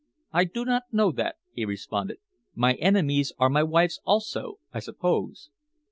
"I do not know that," he responded. "My enemies are my wife's also, I suppose."